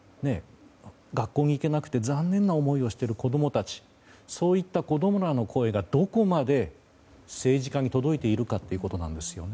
学校に行けなくて残念な思いをしている子供たちそういった子供らの声がどこまで政治家に届いているかということなんですよね。